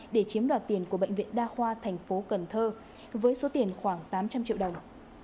để chiếm đoạt tiền của bệnh viện đa khoa thành phố cần thơ với số tiền khoảng tám trăm linh triệu đồng